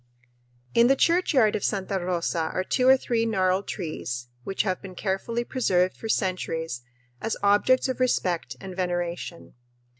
In the churchyard of Santa Rosa are two or three gnarled trees which have been carefully preserved for centuries as objects of respect and veneration.